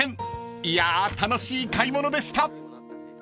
［いや楽しい買い物でした］